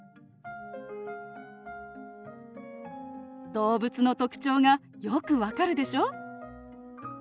動物の特徴がよく分かるでしょ？